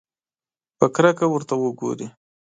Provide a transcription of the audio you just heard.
په کرکه ورته وګوري.